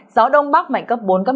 gió đông bắc mạnh cấp bốn cấp năm